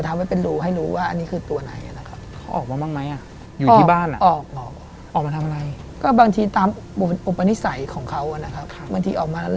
มีกลิ่นไหม